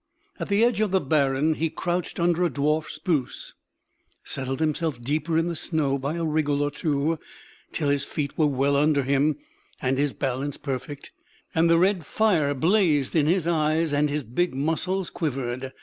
At the edge of the barren he crouched under a dwarf spruce, settled himself deeper in the snow by a wriggle or two till his feet were well under him and his balance perfect, and the red fire blazed in his eyes and his big muscles quivered.